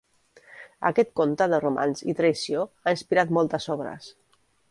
Aquest conte de romanç i traïció ha inspirat moltes obres.